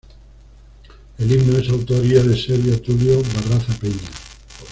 El himno es autoría de Servio Tulio Barraza Peña.